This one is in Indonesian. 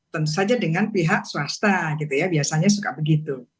tentu saja dengan pihak swasta gitu ya biasanya suka begitu